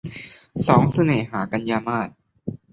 สองเสน่หา - กันยามาส